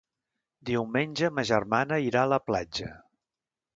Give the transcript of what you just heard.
Diumenge ma germana irà a la platja.